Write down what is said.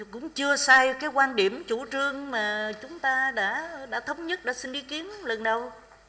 cũng chưa sai cái quan điểm chủ trương mà chúng ta đã thống nhất đã xin ý kiến lần đầu